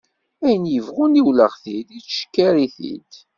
Ayen yebɣu niwleɣ-t-id yettcekkir-it-id.